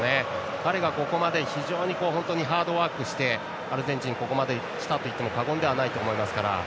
彼がここまで非常にハードワークしてアルゼンチンがここまで来たといっても過言ではないので。